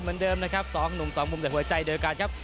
เหมือนเดิมนะครับ๒หนุ่ม๒มุมแต่หัวใจด้วยกั้อนครับ